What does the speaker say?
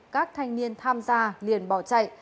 các thanh niên tham gia liền bỏ chạy